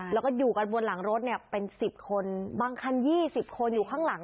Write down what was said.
แล้วก็อยู่กันบนหลังรถเนี่ยเป็น๑๐คนบางคัน๒๐คนอยู่ข้างหลัง